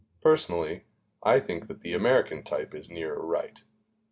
Personally, I think that the American type is nearer right.